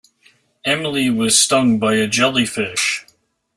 Emily was stung by a jellyfish.